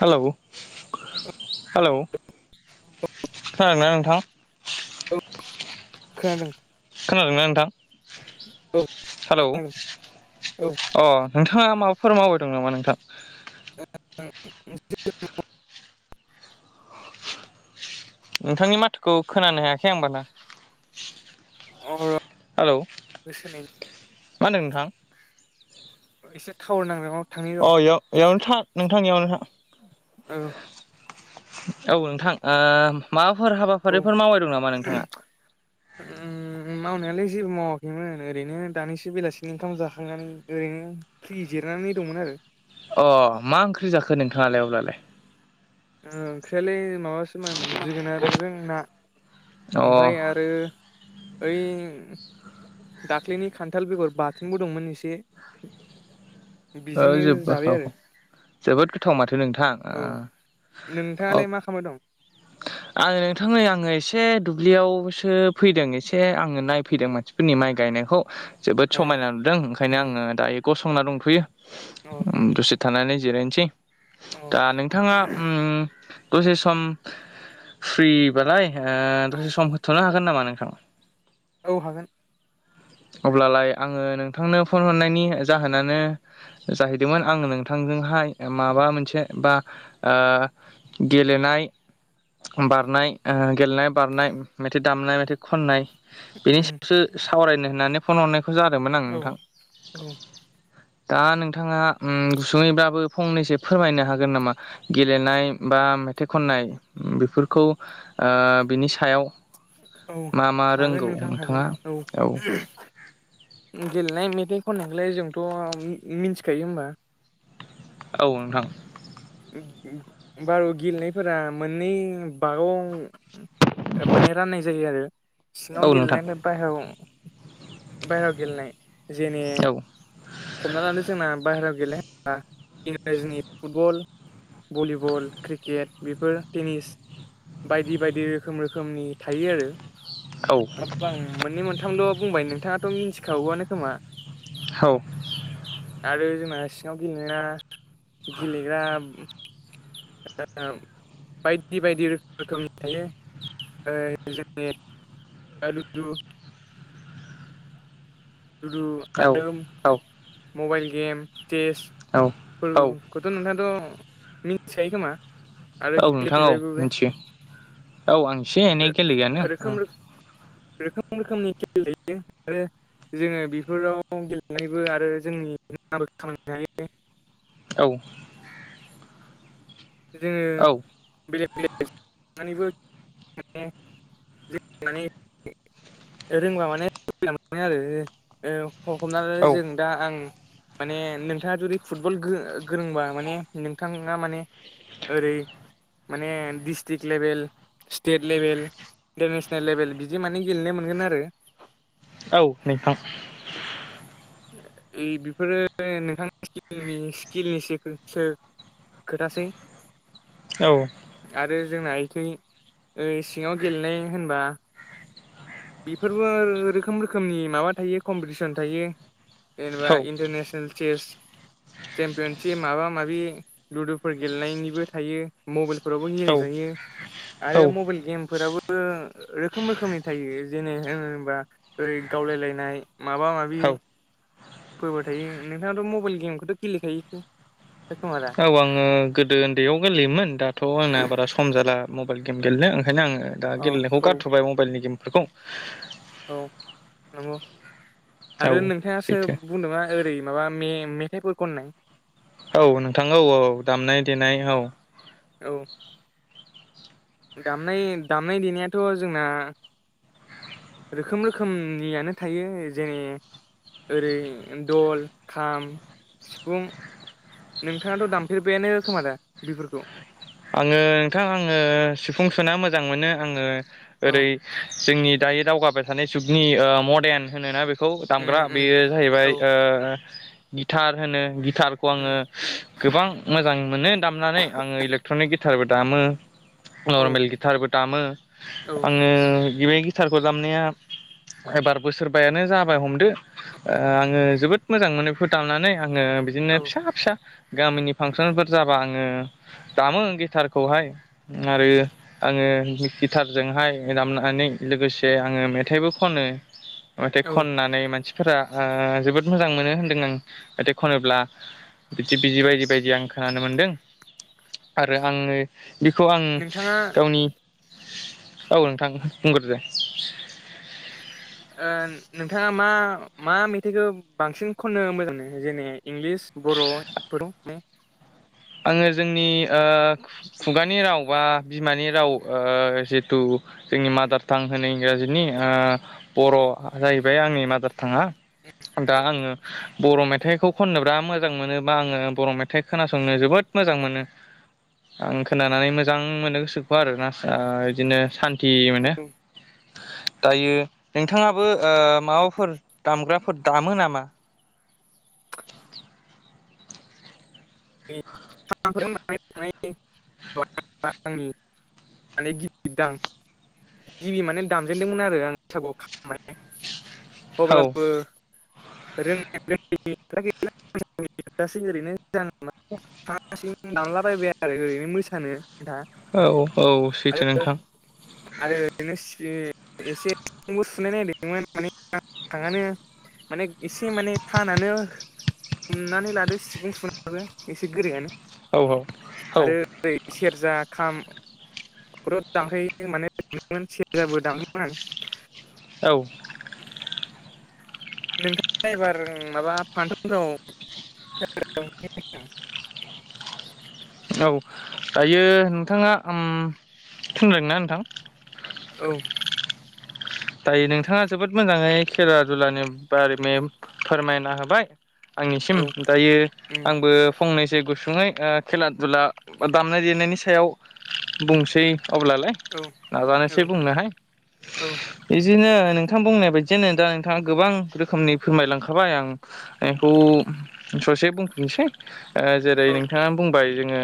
Hello hello. खोनादों ना नोंथां? औ खोनादों। खोनादोंना नोंथां? औ हालौ। खोनादों अ नोंथाङा माबाफोर मावबाय दं नामा नोंथां? [unintelligible] नोंथांनि माथोखौ खोनानो हायाखै आं बाना। औ र'। हालौ सोलाय मा होनदों नोंथां? एसे थावोर नांजांआव अ इयाव इयावनो था नोंथां इयावनो था। औ औ नोंथां ओ माबाफोर औ हाबाफारिफोर मावबाय दं नामा नोंथाङा? मावनायालाय जेबो मावाखैमोन ओरैनो दानिसो बेलासिनि ओंखाम जाखांनानै ओरैनो फ्रि जिरनानै दंमोन आरो। अ मा ओंख्रि जाखो नोंथाङालाय अब्लालाय? ओंख्रियालाय माबास सोमोन जोगोनारजों ना अ ओमफाय आरो ओइ दाख्लैनि खान्थाल बेगर बाथोनबो दंमोन इसे। ओ बिजोंनो जोब जाबाय आरो। जोबोद गोथाव माथो नोंथां औ ओ अब नोंथाङालाय मा खालामबाय दं आङो नोंथां नै आङो एसे दुब्लियावसो फैदों इसे आङो नायफैदों मानसि फोरनि माइ गायनायखौ जोबोद ए समायना नुदों ओंखायनो अ आङो दायो गसंना दंथ'यो। अ उम दसे थानानै जिरायनसै। औ दा नोंथाङा उम दसे सम फ्रिबालाय ओ दसे सम होथ'नो हागोन नामा नोंथां? औ हागोन। अब्लालाय आङो नोंथांनो फन हरनायनि जाहोनानो जाहैदोंमोन आङो नोंथांजोंहाय माबा मोनसे बा ओ गेलेनाय बारनाय ओ गेलेनाय बारनाय मेथाइ दामनाय मेथाइ खननाय बेनि सायावसो सावरायनो होननानै फन हरनायखौ जादोंमोन आं औ नोंथां। औ दा नोंथाङा उम गुसुङैबाबो फंनैसो फोरमायनो हागोन नामा? गेलेनाय बा मेथाइ खननाय बेफोरखौ ओ बिनि सायाव औ मा मा हागोन रोंगौ नोंथां नोंथाङा? हागोन औ। गेलेनाय मेथाइ खननायखोलाय जोंथ' मि-मिनथिखायो होमबा। औ नोंथां। बारु गेलेनायफोरा मोननै बागं ओ माने राननाय जायो आरो सिङाव औ नोंथां गेलेनाय ओमफाय बाहेरायाव बाहेरायाव गेलेनाय जेने औ हमनाला नों जोंना बाहेरायाव गेलेनाय होमबा इंराजिनि फुटबल भलिबल क्रिकेट बे फोर टेनिस बायदि बायदि रोखोम रोखोमनि थायो आरो औ आं मोननै मोनथामल बुंबाय नोंथाङाथ मिथिखागौआनो खोमा औ आरो जोंना सिङाव गेलेनाया गेलेग्रा [unintelligible] बायदि बायदि रोखोमनि थायो ओ जोंनि [unintelligible] लुदु औ आरो मबाइल गेम औ सेसफोर औ खौथ नोंथाङाथ मिथिखायो खोमा आरो औ नोंथां औ गेलेफेरबायबो बे मिथियो औ आं एसे एनै गेलेयोआनो रोखोम रोखोम रोखोमनि खेल थायो आरो जोङो बेफोराव गेलेनानैबो आरो जोंनि [unintelligible] औ जोङो औ बेलेग बेलेग गेलेनानैबो जों माने जों माने रोंबा माने सुबिदा मोनो आरो ओ हमना‌ लादो औ जों दा आं माने नोंथाङा जुदि फुटबल गो गोरोंबा माने नोंथाङा माने ओरै माने district level state level international level बिदि माने गेलेनो मोनगोन आरो औ नोंथां ओइ बेफोरो नोंथांमोननि स्किलनिसो फोर [unintelligible] खोथासै औ आरो जोंना इखै सिङाव गेलेनाय होनबा बेफोरबो रोखोम रोखोमनि माबा थायो कम्पिटिसन थायो जेनेबा औ इन्टारनेसनेल चेस चेम्पियनशिप माबा माबि लुदुफोर गेलेनायनिबो थायो मबाइल फोरावबो औ गेलेजायो आरो औ मबाइल गेम फोराबो रोखोम रोखोमनि थायो जेने होनोबा ओरै गावलायलायनाय माबा माबि औ फोरबो थायो नोंथाङाथ मबाइल गेमखौथ गेलेखायोखो औ आङो गोदो उन्दैयाव गोरलैयोमोन दाथ आंना बारा सम जाला मबाइल गेम गेलेनो ओंखायनो आङो दा औ गेनायखौ औ गारथबाय मबाइलनि गेमफोरखौ औ नंगौ आरो औ नोंथाङा सोर सैथो बुंनो थाङोबा ओरै माबा मे मेथाइफोर खननाय औ नोंथां औ औ औ दामनाय देनाय औ औ दामनाय दामनाय देनायाथ जोंना रोखोम रोखोमनियानो थायो जेने ओरै दल खाम सिफुं नोंथाङाथ दामफेरबायानो खोमा दा बिफोरखौ आङो नोंथां आङो सिफुं सुना मोजां मोनो आङो औ ओरै जोंनि दायो दावगाबाय थानाय जुगनि मदार्न होनोना बे खौ उम दामग्रा उम बेयो जाहैबाय औ ओ गिथार होनो गिथारखौ आङो उम गोबां मोजां मोनो दामनानै आङो इलेक्ट्रनिक गिटारबो दामो औ नर्मेल गिथारबो दामो औ आङो बेबायदि गितारखौ दामनाया एबार बोसोरबायानो जाबाय हमदो आङो जोबोद मोजां मोनो बेखौ दामनानै आङो बिदिनो औ फिसा फिसा गामिनि फांसनफोर जाबा आङो दामो गिटारखौहाय आरो आङो गिटारजोंहाय दामनानै लोगोसे आङो मेथाइबो खनो मेथाइ औ खननानै मानसिफोरा जोबोद मोजां मोनो होनदों आं मेथाइ खनोब्ला बिदि बिजि बायदि बायदि आं खोनानो मोन्दों आरो आङो बेखौ आं नोंथाङा गावनि औ नोंथां बुंग्रोदो ओ नोंथाङा मा मा मेथाइखौ बांसिन खननो मोजां मोनो जेने इंलिस बर'फोर [unintelligible] आङो जोंनि ओ खुगानि राव बा बिमानि राव जिथु जोंनि मादार टां होनो इंराजिनि बर' जाहैबाय आंनि मादार थाङा दा आङो बर' मेथाइखौ खननो बिराद मोजां मोनो बा आङो बर' मेथाइ खोनासंनो जोबोद जोबोद मोजां मोनो आं खोनानानै मोजां मोननो गोसोखौ आरोना बिदिनो सान्थि मोनो दायो नोंथाङाबो ओ माबाफोर दामग्राफोर दामो नामा [unintelligible] [unintelligible] गिबि माने दामजेनदोंमोन आरो आं बैसागुआव खाम माने औ अब्लाबो रोंनाय रोंङिनि खोथा गैला [unintelligible] ओरैनो [unintelligible] [inaudible] हारसिं दामलाबायबाय आरो ओरैनो मोसानो आन्था औ औ आरो सैथो नोंथां आरो ओरैनो एसे [unintelligible] सुनो नागिरदोंमोन माने हांआनो माने एसे माने थानानो हमनानै लादो सिफुं सुनायाबो एसे गोरायानो औ औ औ जेरै सेरजा खाम बेफोरखौनो दामहैयो माने सेरजाबो दामहैयोमोन औ नोंथां द्राइभार माबा फांसनफोराव [unintelligible] औ दायो नोंथाङा ओम [unintelligible] ना नोंथां औ दायो नोंथाङा जोबोद मोजाङै खेला दुलानि बारै मेम फोरमायना होबाय औ आंनिसिम दायो उम आंबो फंनैसो गुसुङै खेला दुला दामनाय देनायनि सायाव बुंसै अब्लालाय औ औ नाजानोसै बुंनोहाय औ बिदिनो नोंथां बुंनाय बायदियानो दा नोंथाङा गोबां रोखोमनि फोरमायलांखाबाय आं आं बेखौ उम ससे बुंफिननोसै जेरै औ नोंथाङा बुंबाय जोङो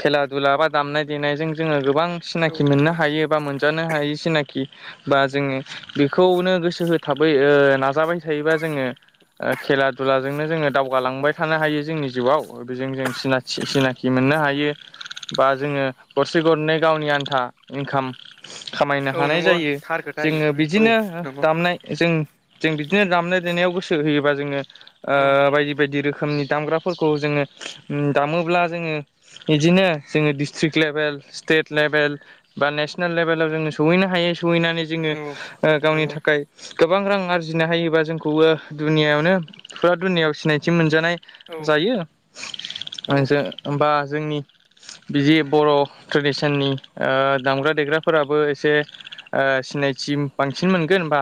खेला दुला बा दामनाय देनायजों जोङो गोबां औ सिनाखि नंगौ मोननो हायो बा मोन जानो हायो सिनाखि बा जोङो बेखौनो गोसो होथाबै नाजाबाय थायोबा जोङो आं खेला दुलाजोंनो जोङो दावगालांबाय थानो हायो जोंनि जिउआव बेजों जों सिनाथि सिनाखि मोननो हायो बा जोङो गरसे गरनै गावनि आन्था इनकाम खामायनो औ हानाय नंगौ जायो थार खोथा जोङो इफोरो औ बिदिनो नंगौ दामनाय जों जों बिदिनो दामनाय देनायाव गोसो होयोबा जोङो ओ औ बायदि बायदि रोखोमनि दामग्राफोरखौ जोङो दामोब्ला जोङो इदिनो जोङो डिस्ट्रिक लेभेल स्टेट लेभेल बा नेसनेल लेभेलाव जोङो सहैनो हायो सहैनानै जोङो औ गावनि नंगौ थाखाय गोबां रां आरजिनो हायोबा जोंखौबो दुनियावनो फुरा दुनियायाव सिनायथि मोनजानाय औ जायो औ हो होमबा जोंनि बिदि बर' ट्रेडिसननि दामग्रा देग्राफोराबो एसे ओ सिनायथि बांसिन मोनगोन बा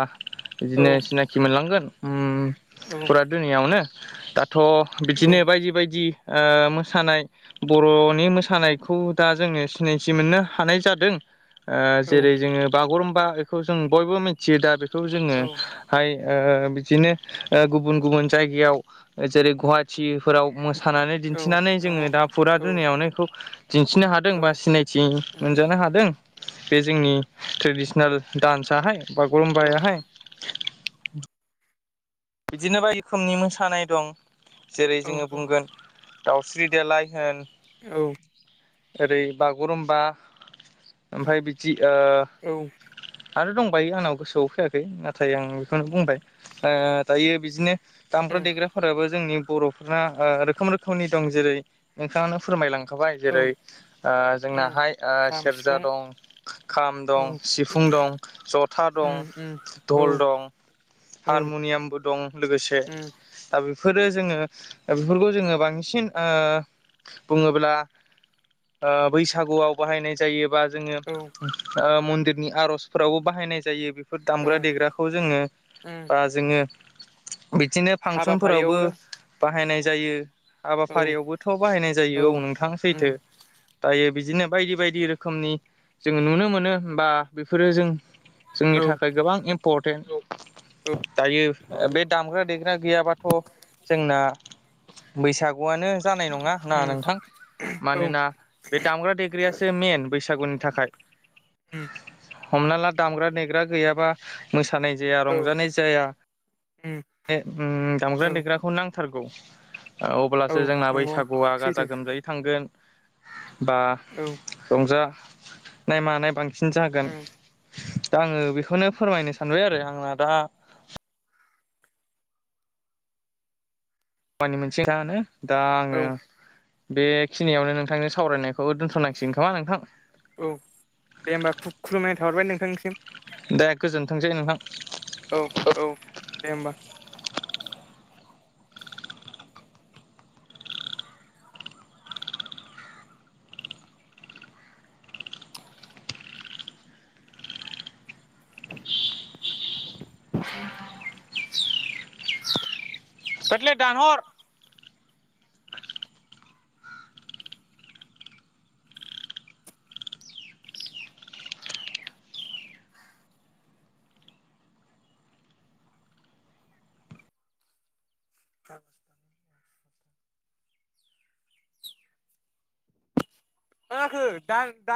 इदिनो औ सिनाखि मोनलांगोन उम औ दुनिआवनो दाथ' औ बिदिनो बायदि बायदि ओ मोसानाय बर'नि मोसानायखौ दा जोङो सिनायथि मोननो हानाय जादों ओ‌ औ जेरै जोङो बागुरुम्बा इखौ जों बयबो मिथियो दा बेखौ जोङो हाय ओ बिदिनो ओ गुबुन गुबुन जायगायाव जेरै गुवाहाटिफोराव थानानै औ दिन्थिनानै नंगौ जोङो दा फुरा औ दुनिआवनो इखौ दिन्थिनो हादों बा सिनायथि उम मोनजानो हादों बे जोंनि ट्रेडिसिनेल दानसाहाय औ बागुरुम्बायाहाय बिदिनो बायदि रोखोमनि मोसानाय दं जेरै औ जोङो बुंगोन दाउस्रि देलाय होन औ ओरै बागुरुमबा आमफाय बिदि ओ औ आरो दंबायो आंनाव गोसोआव फैयाखै नाथाय आं बेखौनो बुंबाय ओ दायो बिदिनो दामग्रा उम देग्राफोराबो जोंनि बर' फोरना ओ रोखोम रोखोमनि दं जेरै नोंथांखनो फोरमाय लांखाबाय औ जेरै ओ उम जोंनाहाय ओ खाम सेरजा सिफुं दं खाम औ दं सिफुं दं ज'था दं उम उम औ धल दं औ हारमु'नियामबो दं लोगोसे उम ओ बेफोरो जोङो ओ बेफोरखौ जोङो बांसिन ओ बुङोब्ला ओ बैसागुआव बाहायनाय जायो बा जोङो औ ओ मन्दिरनि आर'जफोरावबो बाहायनाय जायो बे बेफोर औ दामग्रा देग्राखौ जोङो उम बा जोङो बिदिनो फांसनफोरावबो हाबाफारियावबो बाहायनाय जायो औ हाबाफारिआवबोथ' बाहायनाय जायो औ नोंथां उम सैथो जायो बिदिनो बायदि बायदि रोखोमनि जोङो नुनो मोनो होमबा बेफोरो जों जोंनि औ थाखाय उम गोबां इम्परटेन्ट औ औ दायो बे दामग्रा देग्रा गैयाबाथ' जोंना बैसागुआनो जानाय नङा ना नोंथां उम मानोना बे दामग्रा देग्रायासो मेन बैसागुनि थाखाय उम हमना ला दामग्रा देग्रा गैयाबा मोसानाय जाया औ रंजानाय जाया उम बे उम दामग्रा औ देग्राखौ नांथारगौ ओ औ अब्लासो जोंना नंगौ बैसागुआ गाजा सैथो गोमजायै थांगोन बा औ उम रंजा नाय मानाय बांसिन जागोन औ दा आङो बेखौनो फोरमायनो सानबाय आरो आंना दा वानि मोनसे खोथानो दा आङो औ [unintelligible] बेखिनिआवनो नोंथांजों सावरायनायखौ दोनथ'नांसिगोन खोमा नोंथां औ दे होमबा खु खुलुमनाय थाहरबाय नोंथांनिसिम दा गोजोनथोंसै नोंथां औ औ दे होमबा [inaudible] सकलेट दान हर [unintelligible] थ [inaudible] मा जाखो दान दान